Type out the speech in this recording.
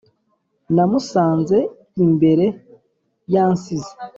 Namusanze imbere yansize